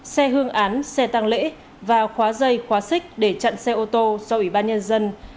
xe hương án xe tăng lễ và khóa dây khóa xích để chặn xe ô tô do ủy ban nhân dân